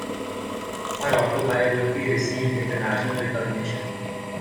Her autobiography received international recognition.